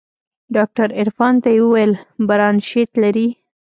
ډاکتر عرفان ته يې وويل برانشيت لري.